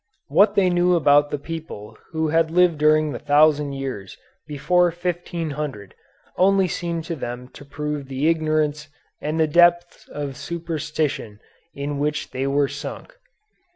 What they knew about the people who had lived during the thousand years before 1500 only seemed to them to prove the ignorance and the depths of superstition in which they were sunk.